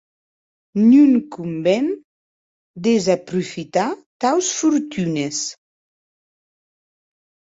Non conven desaprofitar taus fortunes.